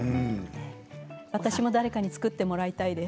私も誰かに作ってもらいたいです。